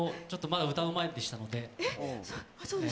ちょっとまだ歌う前でしたのであっ